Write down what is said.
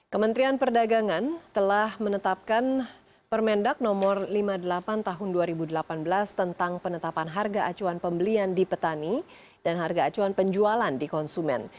kementerian perdagangan telah menetapkan permendak no lima puluh delapan tahun dua ribu delapan belas tentang penetapan harga acuan pembelian di petani dan harga acuan penjualan di konsumen